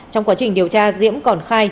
trong quá trình điều tra diễm còn khai